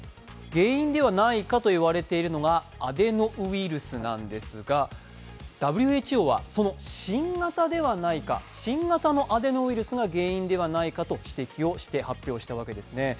原因ではないかといわれているのがアデノウイルスですかＷＨＯはその新型ではないか、新型のアデノウイルスが原因ではないかと指摘をして、発表をしているわけですね。